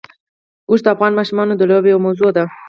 اوښ د افغان ماشومانو د لوبو یوه موضوع ده.